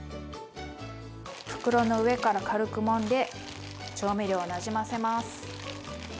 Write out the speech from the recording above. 袋の上から軽くもんで調味料をなじませます。